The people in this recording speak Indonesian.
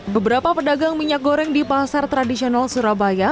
beberapa pedagang minyak goreng di pasar tradisional surabaya